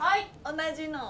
同じのを。